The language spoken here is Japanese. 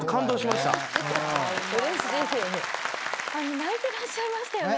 泣いてらっしゃいましたよね。